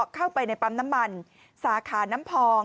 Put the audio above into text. เข้าไปในปั๊มน้ำมันสาขาน้ำพอง